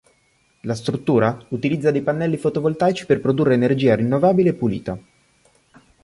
La struttura utilizza dei pannelli fotovoltaici per produrre energia rinnovabile e pulita.